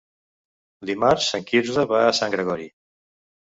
Dimarts en Quirze va a Sant Gregori.